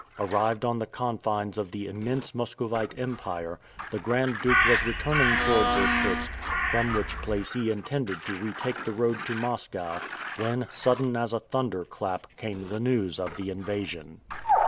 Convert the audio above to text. Arrived on the confines of the immense Muscovite Empire, the Grand Duke was returning towards Irkutsk, from which place he intended to retake the road to Moscow, when, sudden as a thunder clap, came the news of the invasion.